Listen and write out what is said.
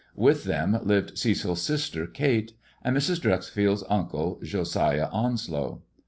With them lived Cecil's Bister .ate and Mrs. Dreuxfield's uncle, Joaiah Onslow.